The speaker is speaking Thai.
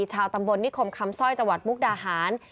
ชาวตำบลนิคมคำสร้อยจังหวัดมุกดาหาร